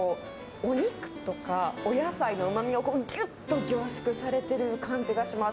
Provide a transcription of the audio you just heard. お肉とかお野菜のうまみがぎゅっと凝縮されている感じがします。